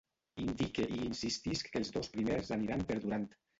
Indique i insistisc que els dos primers aniran perdurant.